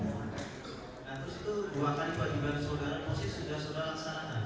nah terus itu dua kali pergimbalan saudara musik sudah saudara kesana